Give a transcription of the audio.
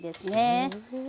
へえ。